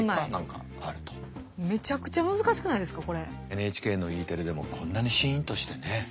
ＮＨＫのＥテレでもこんなにシーンとしてね。